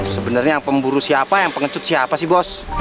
sebenarnya pemburu siapa yang pengecut siapa sih bos